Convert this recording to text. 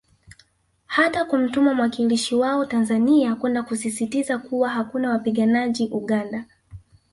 Hata kumtuma mwakilishi wao Tanzania kwenda kusisisitiza kuwa hakuna wapiganajji Uganda